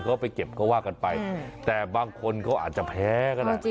เขาไปเก็บเขาว่ากันไปแต่บางคนเขาอาจจะแพ้ก็ได้